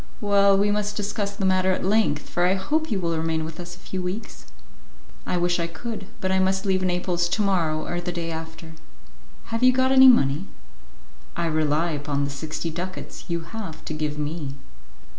"Well, we must discuss the matter at length, for I hope you will remain with us a few weeks." "I wish I could, but I must leave Naples to morrow or the day after." "Have you got any money?" "I rely upon the sixty ducats you have to give me."